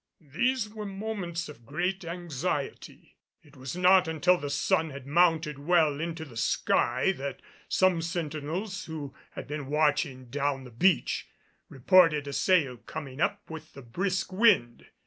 These were moments of great anxiety. It was not until the sun had mounted well into the sky that some sentinels who had been watching down the beach, reported a sail coming up with the brisk wind.